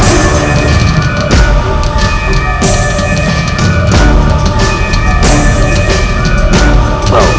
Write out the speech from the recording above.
bangun penguasa kegelapan